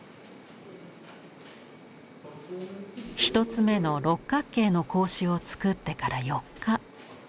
１つ目の六角形の格子を作ってから４日。